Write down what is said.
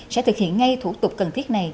sẽ thực hiện ngay thủ tục cần thiết này